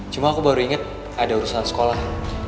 cuma aku baru inget ada urusan sekolah